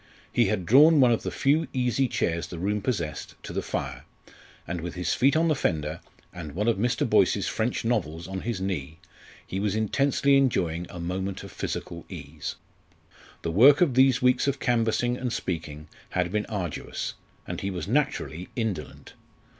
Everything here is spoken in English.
He had drawn one of the few easy chairs the room possessed to the fire, and with his feet on the fender, and one of Mr. Boyce's French novels on his knee, he was intensely enjoying a moment of physical ease. The work of these weeks of canvassing and speaking had been arduous, and he was naturally indolent.